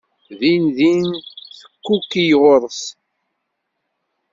Din din tekkuki ɣur-s.